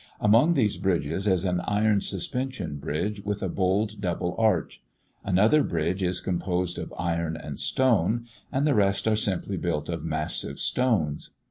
Among these bridges is an iron suspension bridge with a bold double arch; another bridge is composed of iron and stone; and the rest are simply built of massive stones.